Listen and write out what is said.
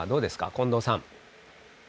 近藤さん。